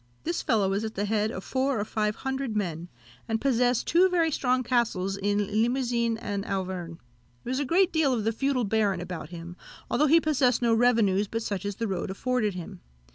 This fellow was at the head of four or five hundred men, and possessed two very strong castles in Limousin and Auvergne. There was a good deal of the feudal baron about him, although he possessed no revenues but such as the road afforded him.